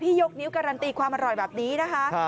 ยกนิ้วการันตีความอร่อยแบบนี้นะคะ